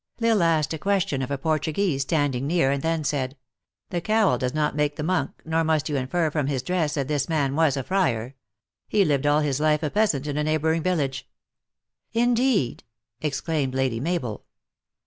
L Isle asked a question of a Portuguese standing near, and then said, "The cowl does not make the monk, nor must you infer from his dress that this man was a friar. He lived all his life a peasant in a neigh boring village." "Indeed !" exclaimed Lady Mabel.